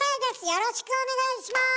よろしくお願いします。